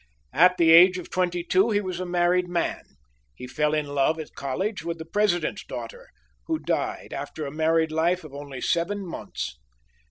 At the age of twenty two he was a married man. He fell in love at college with the president's daughter, who died after a married life of only seven months.